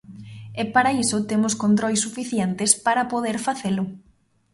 E para iso temos controis suficientes para poder facelo.